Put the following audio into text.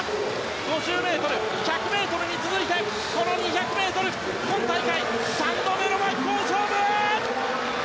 ５０ｍ、１００ｍに続いてこの２００ｍ今大会、３度目の真っ向勝負！